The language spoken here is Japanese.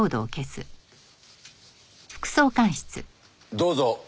どうぞ。